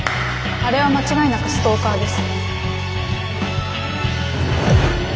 あれは間違いなくストーカーです。